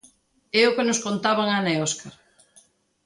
É o que nos contaban Ana e Óscar.